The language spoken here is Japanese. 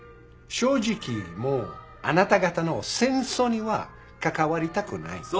正直もうあなた方の戦争には関わりたくない。